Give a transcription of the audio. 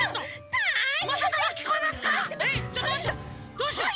どうしよう。